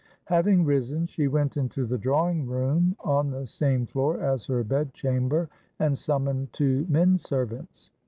Having risen, she went into the drawing room on the same floor as her bedchamber, and summoned two menservants.